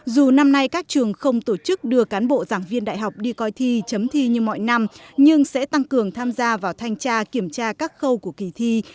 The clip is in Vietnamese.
dù năm nay các trường không tổ chức đưa cán bộ giảng viên đại học đi coi thi chấm thi như mọi năm nhưng sẽ tăng cường tham gia vào thanh tra kiểm tra các khâu của kỳ thi